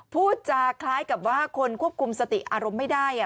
พูดจาคล้ายกับว่าคนควบคุมสติอารมณ์ไม่ได้